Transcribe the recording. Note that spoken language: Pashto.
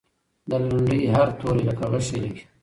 د لنډۍ هر توری لکه غشی لګي.